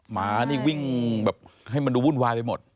หมานี่วิ่งแบบให้มันดูวุ่นวายไปหมด